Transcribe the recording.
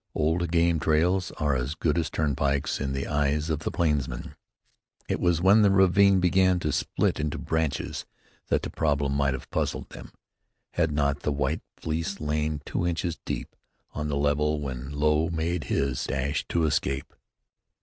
Old game trails are as good as turnpikes in the eyes of the plainsman. It was when the ravine began to split into branches that the problem might have puzzled them, had not the white fleece lain two inches deep on the level when "Lo" made his dash to escape.